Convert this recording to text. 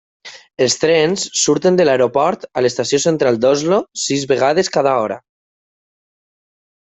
Els trens surten de l'aeroport a l'Estació Central d'Oslo sis vegades cada hora.